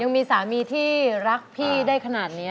ยังมีสามีที่รักพี่ได้ขนาดนี้